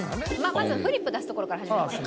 まずフリップ出すところから始めますか。